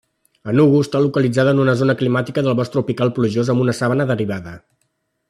Enugu està localitzada en una zona climàtica de bosc tropical plujós amb una sabana derivada.